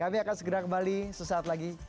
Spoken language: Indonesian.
kami akan segera kembali sesaat lagi